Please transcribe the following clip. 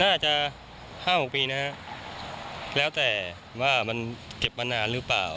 น่าจะ๕๖ปีนะฮะแล้วแต่ว่ามันเก็บมานานหรือเปล่า